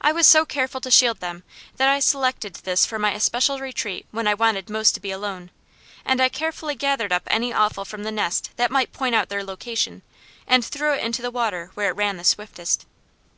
I was so careful to shield them, that I selected this for my especial retreat when I wanted most to be alone, and I carefully gathered up any offal from the nest that might point out their location, and threw it into the water where it ran the swiftest.